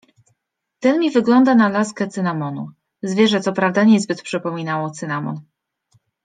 Ten mi wygląda na laskę cynamonu. Zwierzę co prawda niezbyt przypominało cynamon.